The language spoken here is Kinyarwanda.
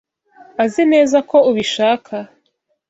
Azineza ko ubishaka?